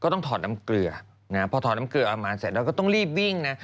ต้องถอดน้ำเกลือนะพอถอดน้ำเกลือเอามาเสร็จแล้วก็ต้องรีบวิ่งนะ